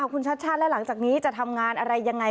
คุณชัดชาติและหลังจากนี้จะทำงานอะไรยังไง